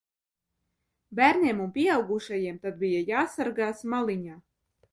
Bērniem un pieaugušajiem tad bija jāsargās maliņā.